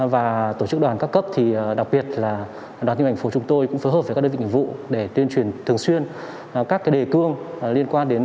và tổ chức đoàn các cấp thì đặc biệt là đoàn tiêu hành phố chúng tôi cũng phối hợp với các đơn vị nhiệm vụ để tuyên truyền thường xuyên các cái đề cương liên quan đến